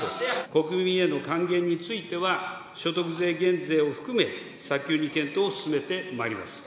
国民への還元については、所得税減税を含め早急に検討を進めてまいります。